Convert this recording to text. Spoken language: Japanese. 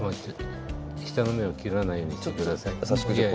下の芽を切らないようにして下さい。